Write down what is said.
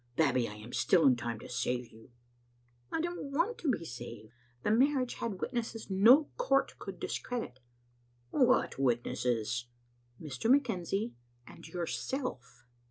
Babbie, I am still in time to save you." " I don't want to be saved. The marriage had wit nesses no court could discredit" "What witnesses?" "Mr. McKenzie and yourself."